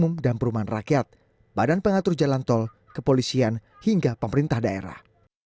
kementerian perhubungan rakyat badan pengatur jalan tol kepolisian hingga pemerintah daerah